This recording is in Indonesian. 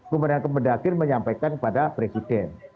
kemudian kemendagri menyampaikan kepada presiden